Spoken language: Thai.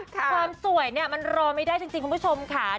ความสวยเนี่ยมันรอไม่ได้จริงคุณผู้ชมค่ะ